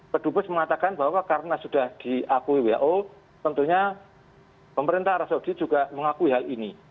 pedubes mengatakan bahwa karena sudah diakui who tentunya pemerintah arab saudi juga mengakui hal ini